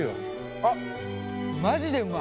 あっマジでうまい。